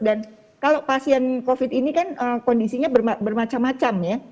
dan kalau pasien covid ini kan kondisinya bermacam macam ya